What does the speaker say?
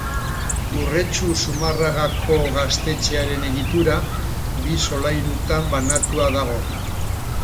Urretxu-Zumarragako Gaztetxearen egitura, bi solairutan banatua dago.